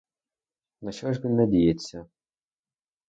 На що ж він надіється?